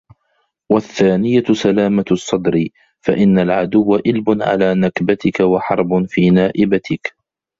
وَالثَّانِيَةُ سَلَامَةُ الصَّدْرِ فَإِنَّ الْعَدُوَّ إلْبٌ عَلَى نَكْبَتِك ، وَحَرْبٌ فِي نَائِبَتِك